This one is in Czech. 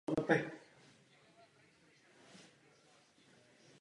Narodil se v saském Freibergu v luteránské rodině.